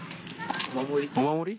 お守り。